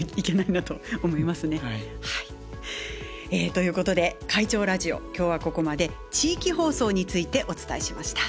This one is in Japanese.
ということで「会長ラジオ」今日はここまで地域放送についてお伝えしました。